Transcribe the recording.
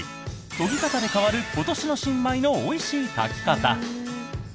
研ぎ方で変わる今年の新米のおいしい炊き方。